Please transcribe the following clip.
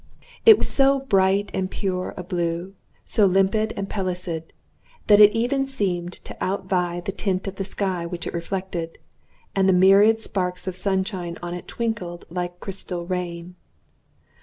It was so bright and pure a blue, so limpid and pellucid, that it even seemed to out vie the tint of the sky which it reflected, and the myriad sparks of sunshine on it twinkled like a crystal rain.